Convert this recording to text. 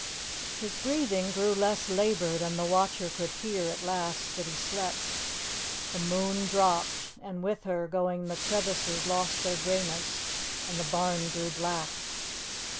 His breathing grew less laboured, and the watcher could hear at last that he slept. The moon dropped, and with her going the crevices lost their greyness and the barn grew black.